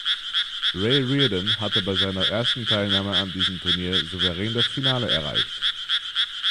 Ray Reardon hatte bei seiner ersten Teilnahme an diesem Turnier souverän das Finale erreicht.